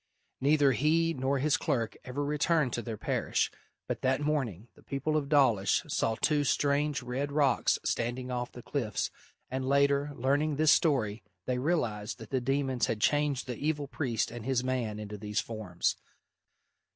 Neither he nor his clerk ever returned to their parish, but that morning the people of Dawlish saw two strange red rocks standing off the cliffs, and later, learning this story, they realised that the demons had changed the evil priest and his man into these forms.